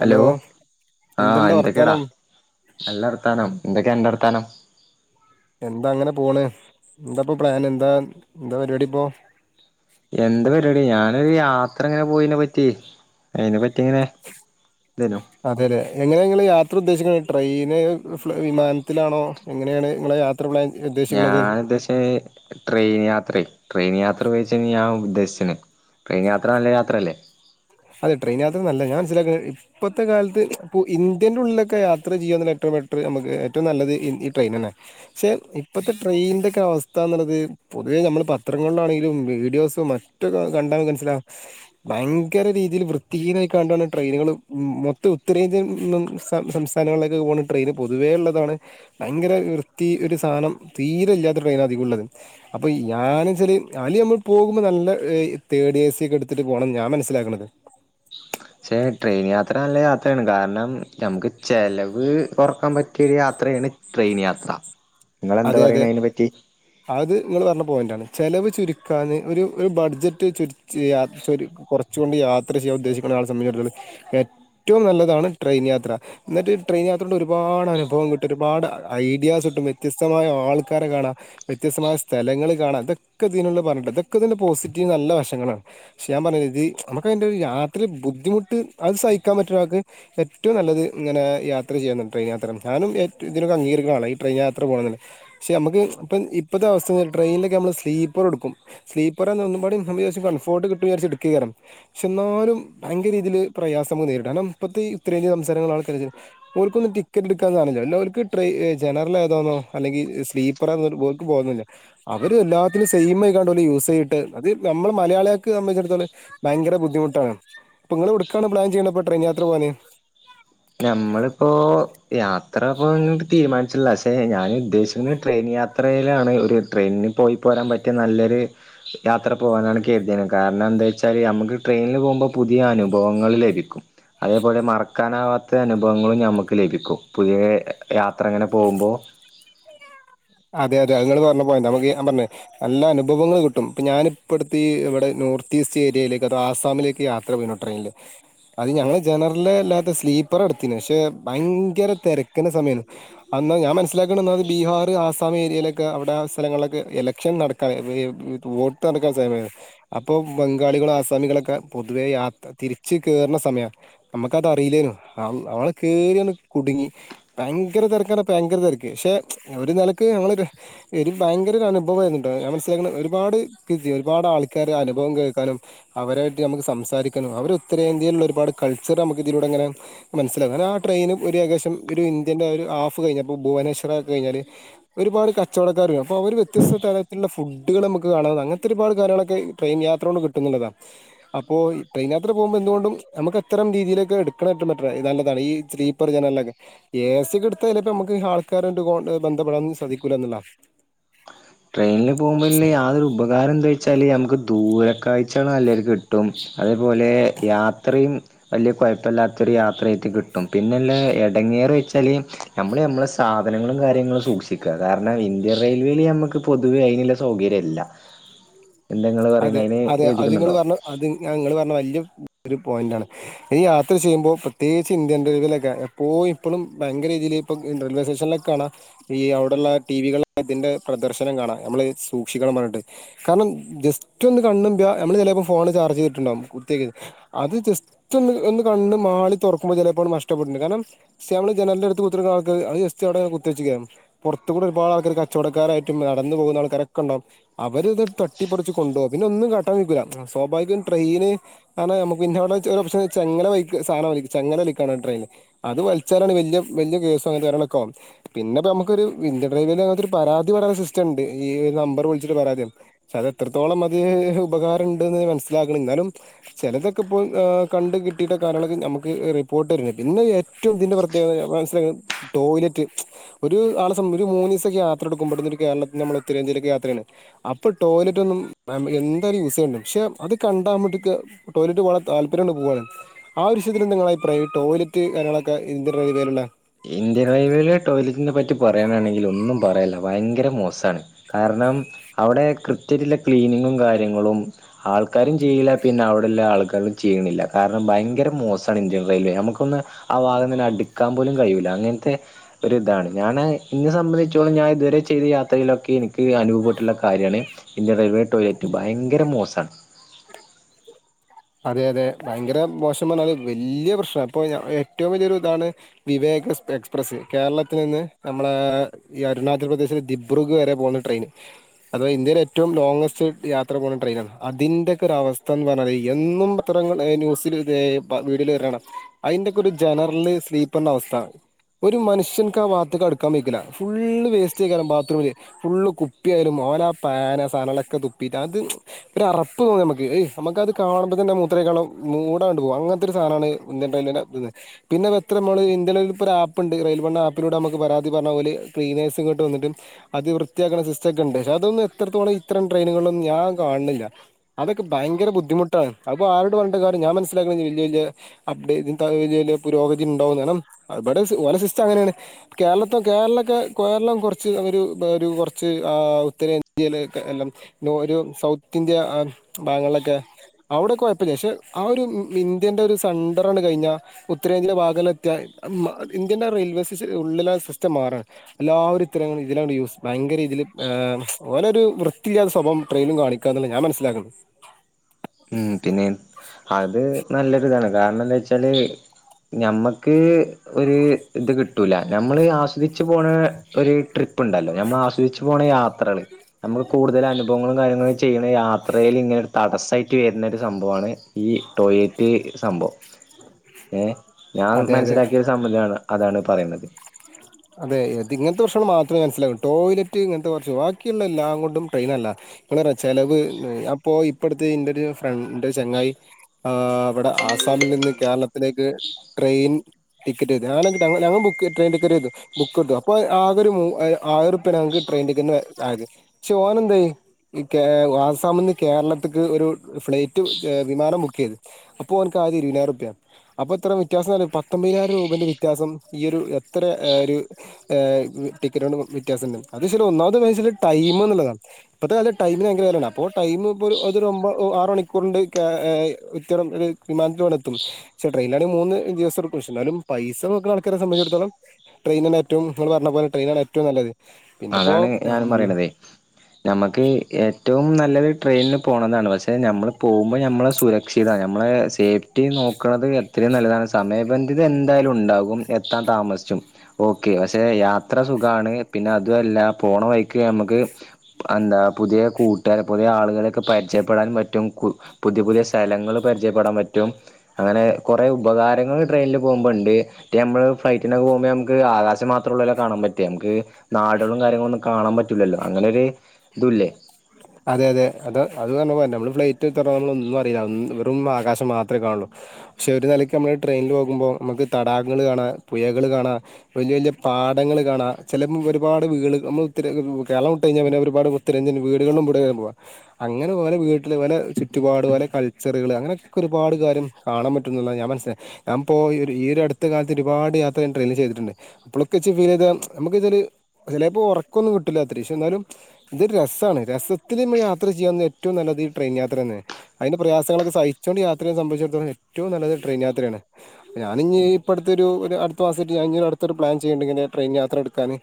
Hello ആഹ് എന്തുണ്ട് എന്തൊക്കെടാ, വർത്താനം നല്ല വർത്താനം. എന്തൊക്ക ണ്ട് അർത്താനം എന്താ അങ്ങനെ പോണ് എന്താപ്പൊ പ്ലാന് എന്താ എന്താ പരിപാടി ഇപ്പോ എന്ത് പരിപാടി ഞാനൊരു യാത്ര എങ്ങനെ പോയിതിനെ പറ്റി അയിനെ പ അതെല്ലെ എങ്ങനെങ്ങള് യാത്ര ഉദ്ദേശിക്ക്ണ് ട്രെയിന് ഫ്ലൂ വിമാനത്തിലാണോ എങ്ങനെയാണ് നിങ്ങളെ യാ ഞാൻ ഉദ്ദേശിച്ച ട്രെയിൻ യാത്രയെ ട്രെയിൻ യാ [unintelligible] വിച്ച ഞാ ഉദ്ദേശന്. ട്രെയിൻ യാത്ര നല്ല യാത്രയല്ലേ സ്സിലാക്ക ഇപ്പോത്തെ കാലത്ത് ഇപ്പോ ഇന്ത്യൻ്റെ ഉള്ളിലൊക്കെ യാത്ര ചെയ്യനുള്ള ഏറ്റവും ബെറ്ററ് നമുക്ക് ഏറ്റവും നല്ലത് ഈ ഇ ട്രെയിൻ തന്നെ, പക്ഷേ ഇപ്പൊഴത്തെ ട്രെയിനി ൻ്റെ ഒക്കെ അവസ്ഥ എന്നുള്ളത് പൊതുവേ നമ്മൾ പത്രങ്ങളിലാണെങ്കിലും വീഡിയോസോ മറ്റൊകെ കണ്ടാൽ നമ്മുക് മനസ്സിലാും ഭയങ്കര രീതിയിൽ വൃത്തിഹീനമായികണ്ടാണ് ട്രെയിനുകൾ മൊത്തം ഉത്തരേന്ത്യൻ നും സം സംസ്ഥാനങ്ങളിലേക്കെ ഒക്കെ പോണ ട്രെയിൻ പൊതുവേ ഉള്ളതാണ് ഭയങ്കര വൃത്തി ഒരു സാധനം തീരെ ഇല്ലാത്ത ട്രെയിന അധികംമുള്ളള്ളത് അപ്പൾ ഞാനച്ചാൽ അല് നമ്മൾ പോകുമ്പോൾ നല്ല തേർഡ് എ സി ഒക്കെ എടുത്തിട്ട് പോകണം ഞാൻ മനസ്സിലാക്കണത് ക്ഷെ ട്രെയിൻ യാത്ര നല്ല യാത്രയാണ്, കാരണം നമുക്ക് ചെലവ് കുറക്കാൻ പറ്റിയൊരു യാത്രയാണ് ട്രെയിൻ യാത്ര. നിങ്ങളെന്താ അതെ അതെ പറയണെ അയിനെ പറ്റി അത് നിങ്ങള് പറഞ്ഞ പോയിൻ്റാണ് ചിലവ് ചുരുക്കാന് ഒരു ഒരു ബഡ്ജറ്റ് ചുരിച്ച് യാത്തൊരു കുറച്ച് കൊണ്ട് യാത്ര ചെയ്യാൻ ഉദ്ദേശിക്കുന്നയാളെ സംബന്ധിച്ചിത്തൂ ഏറ്റവും നല്ലതാണ് ട്രെയിൻ യാത്ര, എന്നിട്ട് ട്രെയിൻ യാത്രയുടെ ഒരുപാട് അനുഭവം കിട്ടും ഒരുപാട് ഐഡിയാസ് കിട്ടു. വ്യത്യസ്തമായ ആൾക്കാരെ കാണാം വ്യത്യസ്തമായ സ്ഥലങ്ങൾ കാണാം ഇതൊക്കെ ഇതിനുളളി പറഞ്ഞിട്ടുണ്ട്, ഇതൊക്കെ ഇതിൻ്റെ പോസിറ്റീവ് നല്ല വശങ്ങളാണ് പക്ഷേ ഞാൻ പറഞ്ഞത് ഇത് നമുക്ക് അതിൻ്റെ ഒരു യാത്ര ബുദ്ധിമുട്ട് അത് സഹിക്കാൻ പറ്റ ഒരാൾക്ക് ഏറ്റവും നല്ലത് ഇങ്ങനെ യാത്ര ചെയ്യുന്നാണ് ട്രയിൻ യാത്ര ഞാനും ഏറ്റവും ഇതിനൊക്കെ അംഗീകരിക്കുന്ന ആളാ ഈ ട്രെയിൻ യാത്ര. ഇത്ര പോകണന്നില്ല പക്ഷെ നമുക്ക് ഇപ്പം ഇപ്പോഴത്തെ അവസ്ഥ ട്രെയിനിലൊക്കെ നമ്മൾ സ്ലീപ്പർ എടുക്കും സ്ലീപ്പർ എന്ന ഒന്നുമ്പാട് വിചാരിച്ച് കൺഫേം ഒട്ടു കിട്ടും വിചാരിച്ചിട്ട് കേറുംഎന്നാലും ഭയങ്കര ഇതില് പ്രയാസംങ്ങ നേരിടും കാരണം ഇപ്പോത്തെ ഉത്തരേന്ത്യ സംസ്ഥാനങ്ങളാണ് [unintelligible] ഓർക്കൊന്നും ടിക്കറ്റ് എടുക്കാന്നാണല്ല എല്ലാവർക്ക് ട്രെ ജനറൽ ആ ഇതാന്നോ അല്ലെങ്കി സ്ലീപ്പർ ആ ന്നന്ന് ഒരു ഓർക്ക് ബോധല്ല, അവര് എല്ലാത്തിനും സെയിം ആയി കണ്ട യൂസ് ചെയട്ട് അത് നമ്മള് മലയാളികക്ക് സംബന്ധിച്ചടത്തോളം ഭയങ്കര ബുദ്ധിമുട്ടാണ് അപ്പൊ ഇങ്ങളെവിടുക്കാണ് പ്ലാൻ ചെയ്യേന്നപ്പോ ട്രെയിൻ യാത്ര പോകാന് നമ്മളിപ്പോ യാത്രപ്പങ്ങട്ട് തീരുമാനിച്ചിട്ടില്ല പക്ഷെ ഞാൻ ഉദ്ദേശിക്കുന്നത് ട്രെയിൻ യാത്രയിലാണ് ഒരു ട്രെയിനിൽ പോയി പോരാൻ പറ്റിയ നല്ലൊരു യാത്ര പോകാനാണ് കേരുതിയ കാരണം എന്താ വെച്ചാല് നമ്മുക്ക് ട്രെയിനിൽ പോകുമ്പോൾ പുതിയ അനുഭവങ്ങൾ ലഭിക്കും അതേപോലെ മറക്കാനാവാ ത്തെ അനുഭവങ്ങളും ഞമ്മുക്ക് ലഭിക്കും പു പുതിയ യാത്ര അങ്ങനെ പോകുമ്പോ അതെ അതെ അതിങ്ങള് പറഞ്ഞ പോയിൻ്റാ നമുക്ക് ഞാ പറഞ് നല്ല അനുഭവങ്ങൾ കിട്ടും, ഇപ്പൊ ഞാനിപ്പടുത്തെ ഈ ഇവിടെ നോർത്ത് ഈസ്റ്റ് ഏരിയയിലേക്ക് അത ആസാമിലേക്ക് യാത്ര പോയിരുന്നു ട്രെയിനിൽ അത് ഞങ്ങള് ജനറൽ അല്ലാത്ത സ്ലീപ്പർ എടുത്തീന് പക്ഷെ ഭയങ്കര തിരക്കിന്റെ സമയമാണ് എന്നാ ഞാൻ മനസ്സിലാക്കീണ്ടത് ബീഹാർ ആ ആസാമി ഏരിയയിലൊക്കെ അവിടെ സ്ഥലങ്ങളിലൊക്കെ ഇലക്ഷൻ നടക്കാ വേ വേ വോട്ട് നടക്കാൻ സമയ അപ്പോ ബംഗാളികളും ആസാമികളൊക്കെ പൊതുവേ യാത്ര തിരിച്ചു കയറുന്ന സമയമാണ് നമുക്കത് അറിയില്ലേന് നമ്മള് കേറിയതു കുടുങ്ങി ഭയങ്കര തിരക്കാണ് ഭയങ്കര തിരക്ക് പക്ഷെ ഒരു നില ക്ക് ഞങ്ങള്കെ എനി ഭയങ്കര ഒരു അനുഭവമായിരുന്നുട്ടാ ഞാൻ മനസിലാകുന്ന ഒരുപാട് കിസി ഒരുപാട് ആൾക്കാരെ അനുഭവം കേൾക്കാനും അവരായിട്ട് നമുക്ക് സംസാരിക്കാനും അവര് ഉത്തരേന്ത്യയിലുള്ള ഒരുപാട് കൾച്ചർ നമുക്ക് ഇതിലൂടെങ്ങനെ മനസ്സിലാകും അതാണ് ആ ട്രെയിന് ഒരു ഏകദേശം ഒരു ഇന്ത്യന്റെ ഒരു ഹാഫ് കഴിഞ്ഞാപ്പോ ഭുവനേശ്വര ഒക്കെ കഴിഞ്ഞാല് ഒരുപാട് കച്ചവടക്കാര് അപ്പോ അവര് വ്യത്യസ്ത തരത്തിലുള്ള ഫുഡുകൾ നമുക്ക് കാണാവുന്നതാ അങ്ങനത്തെ ഒരുപാട് കാര്യങ്ങളൊക്കെ ട്രെയിൻ യാത്ര കൊണ്ട് കിട്ടുന്നുള്ളതാണ് അപ്പോ ട്രെയിൻ യാത്ര പോകുമ്പോ എന്തുകൊണ്ടും നമുക്ക് അത്തരം രീതിയിലേക്കെ എടുക്കണ ഏറ്റവും ബെറ്ററാ ഇത് നല്ലതാണ് ഈ സ്ലീപ്പർ ജനലൊക്കെ എ സി ഒക്കെ എടുത്താൽ ചിലപ്പോ നമുക്ക് ആൾക്കാരുട്ട് കോൺടാ ബന്ധപ്പെട സാധിക്കൂല്ലന്നുള്ള ട്രെയിനിൽ പോകുമ്പോ ഉള്ളെ യാതൊരു ഉപകാരം എന്തേ ച്ചാല് നമുക്ക് ദൂരകാഴ്ച്ചാളു നല്ലരീതിക്ക് കിട്ടും, അതേപോലെ യാത്രയും വലിയ കുയപ്പമില്ലാത്തൊരു യാത്രയായിട്ട് കിട്ടും, പിന്നെല്ല ഇടങ്ങേറ് വെച്ചാൽ ഞമ്മൾ ഞമ്മളെ സാധനങ്ങളും കാര്യങ്ങളും സൂക്ഷിക്കുക, കാരണം ഇന്ത്യൻ റെയിൽവേയില് ഞമുക്ക് പൊതുവേ അയിനുള്ള സൗകര്യല്ല എന്താ ഇങ്ങള് പറയണേ അതെ അതിന് അതെ അത് നിങ്ങൾ യോജിക്കുന്നുണ്ടോ പറഞ്ഞ അത് നിങ്ങള് പറഞ്ഞ വല്യ ഇത്ഒരു പോയിന്റ് ആണ്, ഈ യാത്ര ചെയ്യുമ്പോൾ പ്രത്യേകിച്ച് ഇന്ത്യൻ റെയിൽവേയിലക്കെ എപ്പോഴും ഇപ്പളും ഭയങ്കര രീതിയിയില് ഇപ്പ റെയിൽവേ സ്റ്റേഷനിലൊക്കെ കാണാം ഈ അവിടെള്ള ടിവികളിൽ അതിന്റെ പ്രദർശനം കാണാം നമ്മള് സൂക്ഷിക്കണം പറഞ്ഞിട്ട് കാരണം ജസ്റ്റ് ഏറ്റൊന്ന് കണ്ണും [unintelligible] നമ്മള് ചിലപ്പോൾ ഫോണ് ചാർജ് ചെയ്തിട്ടുണ്ടാവും കുത്തിക്ക അത് ജസ്റ്റ് ഒന്ന് ഒന്ന് കണ്ണു മാളി തുറക്കുമ്പോ ചിലപ്പോ നഷ്ടപ്പെട്ടിട്ടുണ്ട് കാരണം സെ നമ്മൾ ജനലിന്റെ അടുത്ത് കുത്തി ആൾക്ക് അത് ജസ്റ്റ് അവിടെ കുത്തി വച്ച്ക്ക പുറത്ത് കൂടെ ഒരുപാട് ആൾക്കാര് കച്ചവടക്കാരായിട്ട് നടന്ന് പോകുന്ന ആൾക്കാരൊക്കെ ഉണ്ടാവും അവര്ത് തട്ടിപ്പറച്ച് കൊണ്ടുപോകും പിന്നെ ഒന്നും കാട്ടാൻ നിക്കൂല്ല സ്വാഭാവികം ട്രെയിന് ആണ് നമുക്ക് പിന്നവിടെ ച ഒരു ഓപ്ഷൻ ചങ്ങല വലിക്കു സാധാരണ വലി ചങ്ങല വലിക്കാണ് ട്രെയിന് അത് വലിച്ചാലാണ് വലിയ വലിയ കേസോ കാര്യങ്ങളൊക്കെ പിന്നെ നമുക്കൊരു ഇന്ത്യൻ റെയിൽവെൽ അങ്ങനൊ ഒരു പരാതി പറയണ സിസ്റ്റം ഉണ്ട് ഈ ഒരു നമ്പർ വിളിച്ചിട്ട് പരാതിയാണ് [unintelligible] എത്രത്തോളം അത് ഉപകാരമുണ്ടെന്ന് മനസ്സിലാക്കണം എന്നാലും ചിലതൊക്കെ ഇപ്പോൾ ആ കണ്ട് കിട്ടിയിട്ട കാര്യങ്ങളൊക്കെ നമുക്ക് റിപ്പോർട്ട് തരുന്നുണ്ട് പിന്നെ ഏറ്റവും ഇതിൻ്റെ പ്രത്യേകത മനസ്സിലാക്ക ടോയ്ലറ്റ് ഒരു ആളെ സംബ ഒരു മൂന്ന് ദിവസ ഇല്ലാ യാത്ര എടുക്കുമ്പോടുന്നൊരു കേരളത്തിൽ നമ്മൾ ഉത്തരേന്ത്യയിലൊക്കെ യാത്രയാണ് അപ്പോൾ ടോയ്ലറ്റ് റ്റുംന്നു എന്തായാലും യൂസ് ചെയ്യണം, പക്ഷെ അത് കണ്ടാ നമ്മക്ക് ടോയ്‌ലറ്റ് പോവാനുള്ള താല്പര്യം അങ്ങട് പോവാണ്, ആ ഒരുവിഷയത്തില് നിങ്ങടെ അഭിപ്രായം ടോയ്ലറ്റ് കാര്യങ്ങളൊക്കെ ഇന്ത്യൻ റെയിൽവേയിലുള്ള ഇന്ത്യൻ റെയിൽവേയിലെ ടോയ്ലറ്റിനെ പറ്റി പറയാനാണെങ്കിൽ ഒന്നും പറയാല്ല ഭയങ്കര മോശമാണ് കാരണം അവിടെ കൃത്യത്തില ക്ലീനിങ്ങും കാര്യങ്ങളും ആൾക്കാരും ചെയ്യില്ല പിന്നെ അവിടെയള്ള ആൾക്കാരും ചെയ്യണില്ല കാരണം ഭയങ്കര മോശമാണ് ഇന്ത്യൻ റെയിൽവേ നമുക്കൊന്ന് ആ ഭാഗം തന്നെ അടുക്കാൻ പോലും കഴിയുല്ല അങ്ങനത്തെ ഒരു ഇതാണ് ഞാൻ എന്നെ സംബന്ധിച്ചോളം ഞാൻ ഇതുവരെ ചെയ്ത യാത്രയിലൊക്കെ എനിക്ക് അനുഭവപ്പെട്ടിട്ടുള്ള കാര്യാണ് ഇന്ത്യടെ റെയിൽവേ ടോയ്ലറ്റ് ഭയങ്കര മോശം. [unintelligible] അതെ അതെ ഭയങ്കര മോശം പറഞ്ഞാല് വലിയ പ്രശ്നം അപ്പൊ ഞാൻ ഏ ഏറ്റവും വലിയൊരു ഇതാണ് വിവേക എക്സ് എക്സ്പ്രസ് കേരളത്തിൽ നിന്ന് നമ്മളെ ഈ അരുണാചൽ പ്രദേശിലെ ദിബ്രുഗ് വരെ പോകുന്ന ട്രെയിൻ അതവ ഇന്ത്യയിലെ ഏറ്റവും ലോംഗസ്റ്റ് യാത്ര പോകുന്ന ട്രെയിനാണ്, അതിന്റെയൊക്കെ ഒരു അവസ്ഥ എന്ന് പറഞ്ഞാൽ ഈ എന്നും പത്രങ്ങൾ ഏ ന്യൂസിൽ ദേ വീഡിയോൽ വരുന്ന കാണാം അതിന്റെയൊക്കെ ഒരു ജനറൽ സ്ലീപ്പറിന്റെ അവസ്ഥ ഒരു മനുഷ്യൻക്ക് ആ ഭാഗത്തേക്ക് അടുക്കാൻ വയ്ക്കില്ല ഫുള്ള് വേസ്റ്റ് ചെയാലും ബാത്റൂമില് ഫുള്ള് കുപ്പിയായാലും ഓലാ ആ പാന് സാധനങ്ങളൊക്കെ തുപ്പിട്ട് അത് ഒരു അറപ്പ് തോന്നും നമുക്ക് ഏയ് നമുക്കത് കാണുമ്പോ തന്നെ മൂത്രോഴിക്കാള്ള മൂടങ്ങട്ട് പോകും അങ്ങനത്തെ ഒരു സാധനമാണ് ഇന്ത്യൻ റെയിൽവെ ലകത്ത്ന്ന് പിന്നെ എത്ര നമ്മൾ ഇന്ത്യയി ഒരു ആപ്പ് ഉണ്ട് റെയിൽവെന്റെ ആപ്പിലൂടെ നമുക്ക് പരാതി പറഞ്ഞ ഓല് ക്ലീനേഴ്സുങ്ങട്ട് വന്നിട്ടു അത് വൃത്തിയാക്കുന്ന സിസ്റ്റം ഒക്ക ഉണ്ട് പക്ഷെ അതൊന്നും എത്രത്തോളം ഇത്തരം ട്രെയിനുകളൊന്നും ഞാൻ കാണുന്നില്ല അതൊക്കെ ഭയര ബുദ്ധിമു ട്ടൊ അപ്പൊ ആരോട് പറഞ്ഞിട്ട് കാര്യം ഞാൻ മനസ്സിലാക്കണ വല്യ വല്യ അപ്ഡേ പുരോഗതി ഉണ്ടാവുന്ന്, കാരണം ഇവിടെ സി ഓല സിസ്റ്റം അങ്ങനെയാണ് കേരളത്തെ കേരളൊക്കെ കേരളം കുറച്ച് അത്ഒരു ഒരുകുറച്ച് ആ ഉത്തരേന്ത്യയിലെക്കെ എല്ലാം ലോ ഒരു സൗത്ത് ഇന്ത്യ ഭാഗങ്ങളിലൊക്കെ അവിടെ കുയപ്പല്ല്യ പക്ഷെ ആ ഒരു ഇ ഇന്ത്യന്റെ ഒരു സന്ഡർ അങ്ങട് കഴിഞ്ഞാ ഉത്തരേന്ത്യയുടെ ഭാഗങ്ങളിൽ എത്തിയാ ഇന്ത്യന്റെ റെയിൽവേയിൽ വെസിഡ് സ്ഉള്ളില സിസ്റ്റം മാറാൻ എല്ലാവരും ഇത്തര ഇതില യൂസ് ഭയങ്കരീതിയിൽ ഓലൊരു വൃത്തിയില്ലാത്ത സ്വഭാവം ട്രെയിനും കാണിക്കുകാന്നുള്ള ഞാൻ മനസ്സിലാക്കുന്നു. ഉം പിന്നെ അത് നല്ലൊരു ഇതാണ് കാരണന്ന് വെച്ചാല് ഞമ്മക്ക് ഒരു ഇത് കിട്ടൂല്ല ഞമ്മള് ആശ്രയിച്ച് പോണ ഒരു ട്രിപ്പ് ഉണ്ടല്ലോ ഞമ്മൾ ആസ്വദിച്ച് പോണ യാത്രകൾ നമുക്ക് കൂടുതൽ അനുഭവങ്ങളും കാര്യങ്ങളും ചെയ്യണ യാത്രെൽ ഇങ്ങനെ ഒരു തടസ്സമായിട്ട് ട്ട് വരുന്നൊരു സംഭവാണ്, ഈ ടോയ്‌ലറ്റ് സംഭവം ഏ ഞാൻ അതെ അതെ മനസ്സിലാക്കിയ ഒരു സംഭവ ഇതാണ്. അതാണ് പറയുന്നത്. അതെ ഇങ്ങനത്തെ പ്രശ്നം മാത്രമേ മനസ്സിലാകൂ ടോയ്ലറ്റ് ഇങ്ങനത്തെ കുറച്ച് ബാക്കിയുള്ള എല്ലാം കൊണ്ടും ട്രെയിൻ നല്ലതാ [unintelligible] ചെലവ് അപ്പോ ഇപ്പഴത്തെ എന്റൊരു ഫ്രണ്ട് ന്റെ ചെങ്ങായി ആ ഇവിടെ ആസാമിൽ നിന്ന് കേരളത്തിലേക്ക് ട്രെയിൻ ടിക്കറ്റ് ഞാന ഞങ്ങൾ ഞങ്ങൾ ബുക്ക് ചെയ് ട്രെയിൻ ടിക്കറ്റ് ചെയ്തു ബുക്ക് ഇട്ടു അപ്പോ ആകെ ഒരു ആയിരം റുപ്യാണ് ഞങ്ങക്ക് ട്രെയിൻ ടിക്കറ്റിന് ആയത് പക്ഷെ ഓൻ എന്തായി ഈ കേ ആസാമിന്ന് കേരളത്തേക്ക് ഒരു ഫ്ലൈറ്റ് വിമാനം ബുക്ക് ചെയ്ത് അപ്പോൾ ഓനിക്ക് ആയത് ഇരുതിനായിരം റുപ്പിയാ അപ്പോ ഇത്ര വ്യത്യാസംന്നറിയോ പത്തൊമ്പതിനായിരം രൂപേന്റെ വ്യത്യാസം ഈ ഒരു ഇത്ര ഒരു ടിക്കറ്റ് കൊണ്ട് വ്യത്യാസംണ്ട് അത് പക്ഷേ ഒന്നാമത് വച്ചൽ ടൈം എന്നുള്ളതാണ് ഇപ്പോഴത്തെ കാലത്ത് ടൈമിന് ഭയങ്കര വിലയാണ് അപ്പോൾ ടൈം ഇപ്പോൾ ഒരു ഒമ്പ ഒ ആറ് മണിക്കൂറുണ്ട് വിമാനത്തിലങ്ങട് എത്തും പക്ഷേ ട്രെയിനിലാണ്ങ്കിൽ മൂന്ന് ദിവസം എടുക്കും പക്ഷേ എന്നാലും പൈസ നോക്കുന്ന ആൾക്കാരെ സംബന്ധിച്ചിടത്തോളം ട്രെയിനാണ് ഏറ്റവും നിങ്ങള് പറഞ്ഞ പോലെ ട്രെയിനാണ് ഏറ്റവും നല്ലത് പിന്നെപ്പോ അതാണ് ഞാനും ഉം പറയണത് നമ്മുക്ക് ഏറ്റവും നല്ലത് ട്രെയിനില് പോണതാണ് പക്ഷെ ഞമ്മൾ പോകുമ്പോൾ ഞമ്മളെ സുരക്ഷിത ഞമ്മളെ സേഫ്റ്റി നോക്കണത് എത്രയും നല്ലതാണ് സമയബന്ധിത എന്തായാലും ഉണ്ടാകും എത്താൻ താമസിച്ചും ഓക്കെ പക്ഷെ യാത്ര സുഖമാണ് പിന്നെ ഇതല്ല പോണ വഴിക്ക് ഞമ്മുക്ക് എന്താ പുതിയ കൂട്ടുകാരെ പുതിയ ആളുകളൊക്കെ പരിചയപ്പെടാൻ പറ്റും കു പുതിയ പുതിയ സ്ഥലങ്ങളും പരിചയപ്പെടാൻ പറ്റും അങ്ങനെ കൊറേ ഉപകാരങ്ങൾ ട്രെയിനില് പോകുമ്പോ ഒണ്ട്. മറ്റേ നമ്മള് ഫ്ലൈറ്റിന് പോകുമ്പെ നമുക്ക് ആകാശം മാത്രം ഉള്ളല്ലോ കാണാൻ പറ്റ്ആ നമുക്ക് നാടുകളും കാര്യങ്ങളൊന്നും കാണാൻ പറ്റൂല്ലല്ലോ അങ്ങനൊര് അതെ അതെ അത അത് പറഞ്ഞ പോലന്ന നമ്മള് ഫ്ലൈറ്റ് തൊറാ ന്നൊന്നും അറിയില്ല അന്ന് വെറും ആകാശം മാത്രേ കാണുള്ളൂ. ശൊര്നെലയ്ക്ക് നമ്മൾ ട്രെയിനില് പോകുമ്പോൾ നമ്മക്ക് തടാകങ്ങള് കാണാം പുയകള് കാണാം വലിയ വലിയ പാടങ്ങള് കാണാ ചെലപ്പം ഒരുപാട് വീട്ക നമ്മൾത്തിരകളു കേര്ളം വിട്ട് കഴിഞ്ഞാ പിന്നെ ഒരുപാട് തിരഞ്ഞന് വീടുകളും ഇവ്ടെ പുവാ അങ്ങന ഓരേ വീട്ടില് പല ചുറ്റുപാട് പല കൾച്ചറുകള് അങ്ങന ഒക് ക്ക ഒരുപാട് കാര്യം കാണാം പറ്റുന്നുള്ളത് ഞാൻ മനസ്സിലാ ഞാൻ പ്പോയൊരു ഈ ഒരു അടുത്ത കാലത്ത് ഒരുപാട് യാത്ര എൻ ട്രെയ്നില് ചെയ്തിട്ടുണ്ട് അപ്പൊളക്കെച്ച് ഫീൽ ചെയ്ത നമുക്ക് ഇതൊര് ചെലേപ്പോ ഒറക്കൊന്നും കിട്ടില്ല അത്തരീശം എന്നാലും ഇത് രസാണ് രസത്തില് ഇമ്മ യാത്ര ചെയ്യാവുന്ന ഏറ്റവും നല്ലത് ട്രെയിൻ യാത്ര തന്നെ അയ്ന്റെ പ്രയാസങ്ങളൊക്ക സഹിച്ചുകൊണ്ട് യാത്രയെ സംബന്ധിച്ചടത്തോളം ഏറ്റവും നല്ലത് ട്രെയിൻ യാത്രയാണ്. ഞാനിഞ്ഞി ഇപ്പടുത്തൊരു ഒര് അടുത്ത മാസാറ്റ് ഞാൻ ഇനി ഒര് അടുത്തൊര് പ്ലാൻ ചെയ്യണ്‌ണ്ട് ഇങ്ങനെ ട്രെയിൻ യാത്ര എടുക്കാന്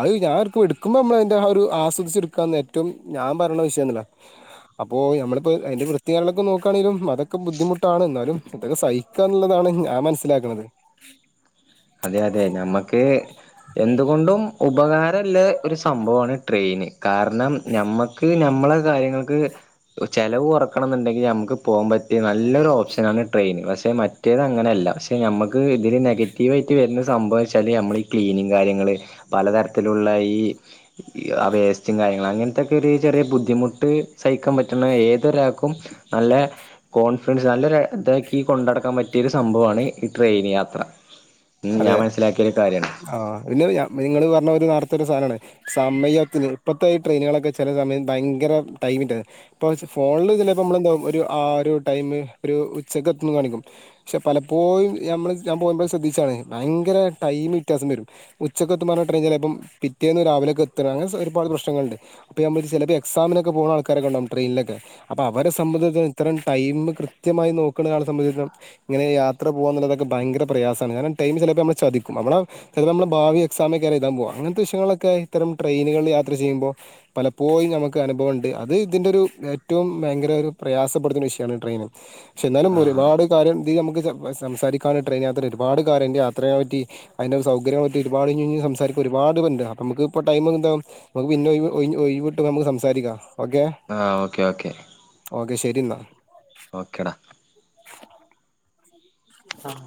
അത് ഞാ ആർക്കും എടുക്കുമ്പ നമ്മളതിൻ്റെ ആ ഒരു അസ്വ സ്സ് എടുക്കാന്ന് ഏറ്റവും ഞാൻ പറയണ വിഷയംന്നില്ല അപ്പോ ഞമ്മളിപ്പോ അയ്ന്റെ വൃത്തികാര്യങ്ങളൊക്ക നോക്കാണെങ്കിലും അതൊക്ക ബുദ്ധിമുട്ടാണ് എന്നാലും ഇതൊക്കെ സഹിക്കാന്നുള്ളതാണ് ഞാൻ മനസ്സിലാക്കണത്. അതെ അതെ ഞമ്മക്ക് എന്തുകൊണ്ടും ഉപകാരള്ളേ ഒരു സംഭവമാണ് ട്രെയിന് കാരണം ഞമ്മക്ക് ഞമ്മള കാര്യങ്ങൾക്ക് ഒ ചെലവ് കൊറക്കണംന്നുണ്ടെങ്കി ഞമ്മ്ക്ക് പോംപറ്റിയ നല്ലൊരു ഓപ്ഷനാണ് ട്രെയിന്. പക്ഷെ മറ്റേത് അങ്ങനെ അല്ല പക്ഷെ ഞമ്മക്ക് ഇതില് നെഗ റ്റീവായിറ്റ് വരുന്ന സംഭവ വെച്ചാല് നമ്മള് ഈ ക്ലീനിങ് കാര്യങ്ങള് പലതരത്തിലുള്ള ഈ ഇ അ വേസ്റ്റും കാര്യങ്ങളും അങ്ങനത്തൊക്കെ ഒരു ചെറിയ ബുദ്ധിമുട്ട് സഹിക്കാൻ പറ്റുന്ന ഏതൊരാൾക്കും നല്ല കോൺഫിഡൻസ് നല്ലൊര ഇതാക്കി കൊണ്ടടക്കാൻ പറ്റിയൊരു സംഭവോണ് ഈ ട്രെയിന് യാത്ര ഉം അതെ ഞാൻ മനസ്സിലാക്കിയൊരു കാര്യാണ് ആഹ് പിന്നെ ഒര് ഞാ നിങ്ങള് പറഞ്ഞ ഒര് നർ ത്തൊര് സാനാനാണ് സമയത്തിന് ഇപ്പത്തെ ഈ ട്രെയിനുകളക്കെ ചെല സമയം ഭയങ്കര ടൈമിൻ്റെ ഇപ്പോൾ സ് ഫോണില് ചെലപ്പമ്മള്ന്താകും ഒരു ആ ഒരു ടൈമ് ഒരു ഉച്ചയ്ക്ക് എത്തുന്ന് കാണിക്കും ക്ഷെ പലപ്പോഴും ഞമ്മള് ഞാൻ പോക്മ്പോൾ ശ്രദ്ധിച്ചാണ് ഭയങ്കര ടൈമ് ത്യാസം വരും ഉച്ചക്കൊത്തും പറഞ്ഞ ടെയിൻ ചെലേപ്പം പിറ്റേന്ന് രാവിലൊക്കെ എത്തണ അങ്ങന സ് ഒരുപാട് പ്രശ്നങ്ങളുണ്ട്. അപ്പ ഞാൻ വിരിച്ച് എക്സാമിനൊക്കെ പോണ ആൾക്കാരൊക്കെണ്ടാവും ട്രെയിനിലക്കെ. അപ്പ അവര സംബന്ധത്ത് ഇത്തരം ടൈമ് കൃത്യമായി നോക്ക്ണൊരാളെ സംബന്ധിത്തം ഇങ്ങനെ യാത്ര പോവാന്നുള്ളതൊക്കെ ഭയങ്കര പ്രയാസാണ് കാരണം ടൈമ് ചെലപ്പ മ്മള ചതിക്കും നമ്മള ചെലപ്പ നമ്മള ഭാവി എക്സാമക്ക എഴുതാൻ പോകാ അങ്ങനത്തെ വിഷയങ്ങളൊക്കെ ഇത്തരം ട്രെയിനുകള് യാത്ര ചെയ്യുമ്പോ പലപ്പോഴും ഞമ്മക്ക് അനുഭവം ഒണ്ട് അത് ഇതിന്റെ ഒരു ഏറ്റവും ഭയങ്കര ഒരു പ്രയാസപ്പെടുത്തുണു വിഷയമാണ് ട്രെയിന് ക്ഷേ എന്നാലും ആഹ് ഒരുപാട് കാര്യം ദീ നമ്മ് ഇത് വ സംസാരിക്കാന് ട്രെയിൻ യാത്ര ഒരുപാട് ക്കാരൻ്റെ യാത്രയെ പറ്റി അയ്ന്റെ സൗകര്യങ്ങള പറ്റി ഒരുപാട്ഞ്ഞ് ഞ്ഞ് സംസാരിക്ക ഒരുപാട് പേര്ണ്ട് അപ്പ മ്മ്ക്ക് ഇപ്പ ടൈമ്ങ്ങ് ന്താകും നമുക്ക് പിന്നെ ഒഴിവ് ഒഴിഞ്ഞ് ഒഴിവിട്ടും നമ്മ്ക്ക് സംസാരിക്കാം ആഹ് ഓക്കെ ഓക്കെ ശരിന്നാ ഓക്കേടാ ആഹ്